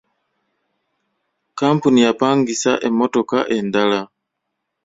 Kampuni yapangisizza emmotoka endala.